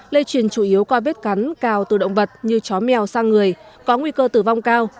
lây truyền chủ yếu qua vết cắn cao từ động vật như chó mèo sang người có nguy cơ tử vong cao